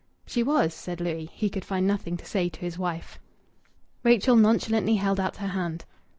"She was," said Louis. He could find nothing to say to his wife. Rachel nonchalantly held out her hand.